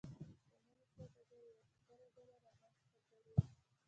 د شتمنو سوداګرو یوه ستره ډله رامنځته کړې وه.